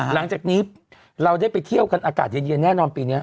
หลังจากนี้เราได้ไปเที่ยวกันอากาศเย็นแน่นอนปีนี้